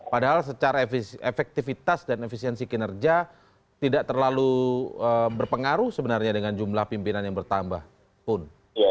padahal secara efektivitas dan efisiensi kinerja tidak terlalu berpengaruh sebenarnya dengan jumlah pimpinan yang bertambah pun